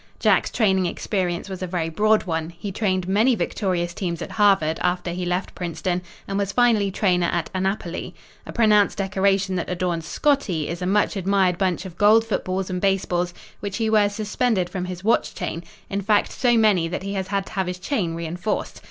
Jack's training experience was a very broad one. He trained many victorious teams at Harvard after he left Princeton and was finally trainer at Annapolis. A pronounced decoration that adorns "Scottie" is a much admired bunch of gold footballs and baseballs, which he wears suspended from his watch chain in fact, so many, that he has had to have his chain reinforced.